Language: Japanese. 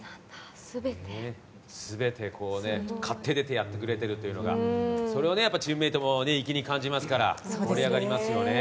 全て買って出てやってくれているというのがそれはチームメートも盛り上がりますよね。